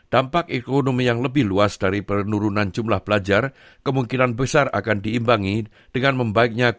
dampak ekonomi dan kesehatan di dalam perusahaan ini tidak terlalu banyak